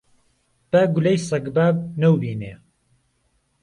با گولهی سهگباب نهوبینێ